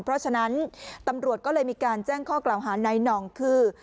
เพราะฉะนั้นตำรวจก็เลยมีการแจ้งข้อกล่าวหาในหน่องคือ